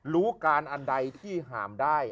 รู้การอันใดที่หามได้